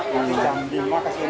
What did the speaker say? dari jam lima pagi sudah ke sini